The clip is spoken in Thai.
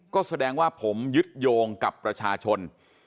ก็แสดงว่าผมยึดโยงกับประชาชน